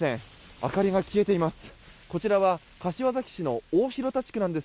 明かりが消えています。